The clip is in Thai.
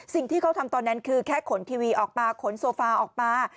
สิ่งที่เขาทำตอนนั้นคือแค่ขนทีวีออกมาขนโซฟาออกมา